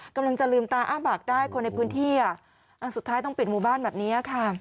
กำลังจะลืมตาอ้าบากได้คนในพื้นที่